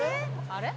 あれ？